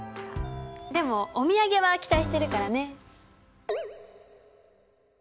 でもお土産は期待してるからね。